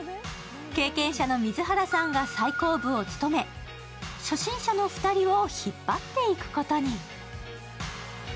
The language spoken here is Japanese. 経験者の水原さんが最後部を務め初心者の２人を引っ張っていくことに。